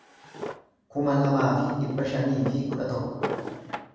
kuma lamaa fi dhibba shanii fi kudha tokko